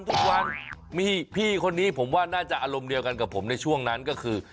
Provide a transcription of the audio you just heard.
ทุกวันมีพี่คนนี้ผมว่าน่าจะอารมณ์เดียวกันกับผมในช่วงนั้นก็คือ